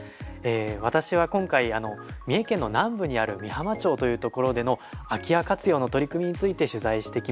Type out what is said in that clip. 私は今回三重県の南部にある御浜町という所での空き家活用の取り組みについて取材してきました。